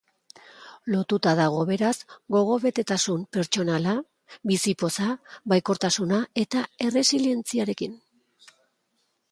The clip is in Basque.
Lotuta dago beraz gogobetetasun pertsonala, bizipoza, baikortasuna eta erresilientziarekin.